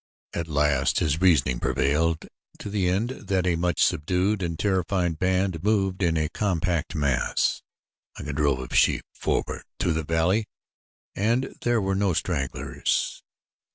At last his reasoning prevailed to the end that a much subdued and terrified band moved in a compact mass, like a drove of sheep, forward through the valley and there were no stragglers.